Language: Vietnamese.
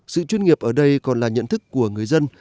sự chuyên nghiệp ở đây còn là nhận thức của người dân